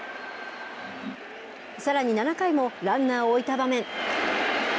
さらに７回もランナーを置いた場面。